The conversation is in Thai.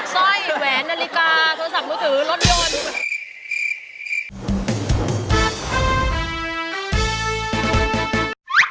สร้อยแหวนนาฬิกาโทรศัพท์มือถือรถยนต์